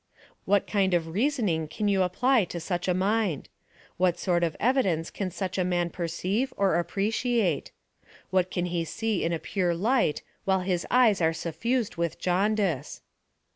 What kind of reasoning can you apply to such a mind ? What sort of evidence can such a man perceive or appre ciate ? What can he see in a pure light while his eyes are suffused with jaundice